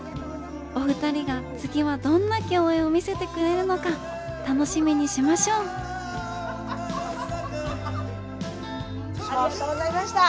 お二人が次はどんな共演を見せてくれるのか楽しみにしましょうありがとうございました！